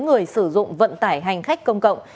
người sử dụng vận tải hành khách công cộng